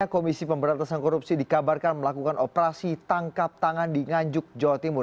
komisi pemberantasan korupsi dikabarkan melakukan operasi tangkap tangan di nganjuk jawa timur